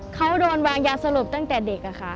เขาโดนวางยาสลบตั้งแต่เด็กค่ะ